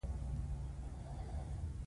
لازمې لارښوونې ورته کېږي.